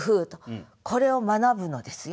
これを学ぶのですよ。